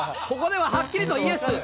ここでははっきりとイエス。